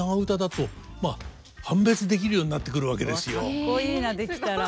かっこいいなできたら。